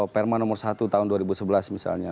perma nomor satu tahun dua ribu sebelas misalnya